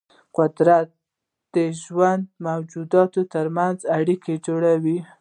قدرت د ژوندي موجوداتو ترمنځ اړیکې جوړوي.